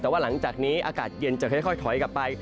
แต่ว่าหลังจากนี้อากาศเย็นจะค่อยถอยกลับไป